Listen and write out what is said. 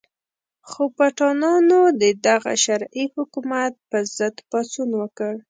خو پټانانو د دغه شرعي حکومت په ضد پاڅون وکړ.